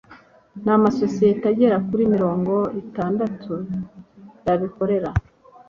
n'amasosiyete agera kuri mirongo itandatu y'abikorera